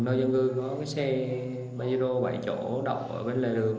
nơi dân gư có cái xe bayero bảy chỗ đậu ở bên lề đường